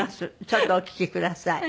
ちょっとお聴きください。